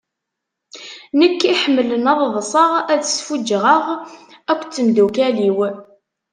Nekk iḥemlen ad ḍṣeɣ ad sfuǧɣeɣ akk d temdukkal-iw.